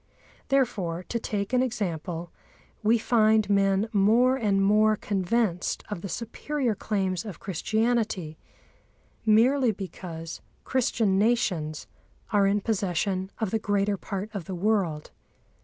Therefore, to take an example, we find men more and more convinced of the superior claims of Christianity, merely because Christian nations are in possession of the greater part of the world.